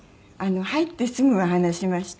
入ってすぐは話しました。